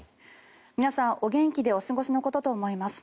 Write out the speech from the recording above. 皆さん、元気でお過ごしのことと思います。